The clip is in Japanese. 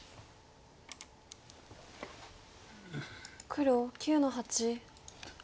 黒９の八。